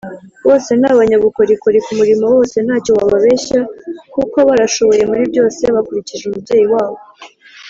Bose ni abanyabukorikori ku murimo wose ntacyo wababeshya kuko barashoboye muri byose bakurikije umubyeyi wabo.